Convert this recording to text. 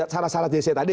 salah salah jc tadi